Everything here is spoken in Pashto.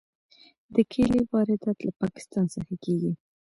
د کیلې واردات له پاکستان څخه کیږي.